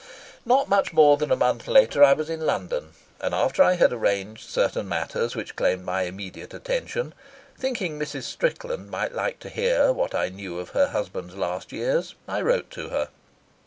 Not much more than a month later I was in London; and after I had arranged certain matters which claimed my immediate attention, thinking Mrs. Strickland might like to hear what I knew of her husband's last years, I wrote to her.